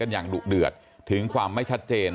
เอามาเห็นภาษัจรอย